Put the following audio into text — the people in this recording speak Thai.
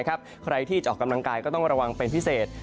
ใครที่จะออกกำลังกายก็ต้องระวังเป็นพิเศษ